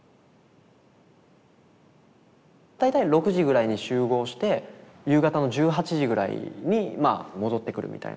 大体６時ぐらいに集合して夕方の１８時ぐらいに戻ってくるみたいな。